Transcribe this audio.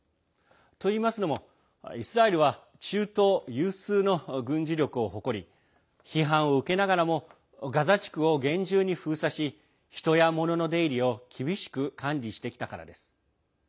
といいますのも、イスラエルは中東有数の軍事力を誇り批判を受けながらもガザ地区を厳重に封鎖し人や物の出入りを厳しく管理してきたからです。